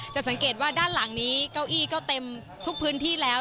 สังเกตว่าด้านหลังนี้เก้าอี้ก็เต็มทุกพื้นที่แล้ว